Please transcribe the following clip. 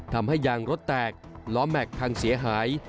ทำให้ยางรถแตกล้อแม็กซ์พังเสียหาย